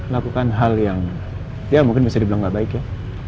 lakukan hal yang ya mungkin bisa dibilang nggak baik ya